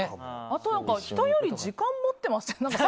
あと、人より時間を持ってません？